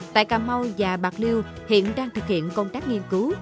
tại cà mau và bạc liêu hiện đang thực hiện công tác nghiên cứu